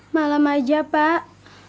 malam aja pak